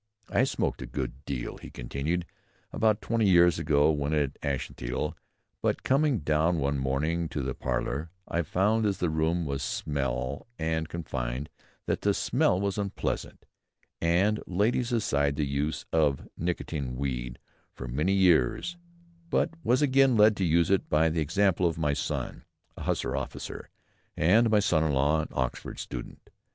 _ "I smoked a good deal," he continued, "about twenty years ago when at Ashestiel; but, coming down one morning to the parlour, I found, as the room was small and confined, that the smell was unpleasant, and laid aside the use of the Nicotian weed for many years; but was again led to use it by the example of my son, a hussar officer, and my son in law, an Oxford student.